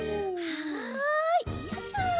はいよいしょ。